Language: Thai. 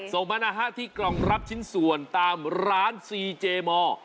ส่งมานะฮะที่กล่องรับชิ้นส่วนตามร้านซีเจมอร์